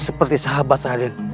seperti sahabat radit